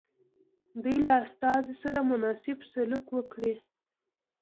دوی له استازي سره مناسب سلوک وکړي.